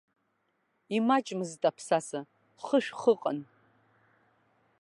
Имаҷмызт аԥсаса, хышә хы ыҟан.